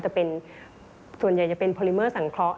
แต่เป็นส่วนใหญ่จะเป็นพอลิเมอร์สังเคราะห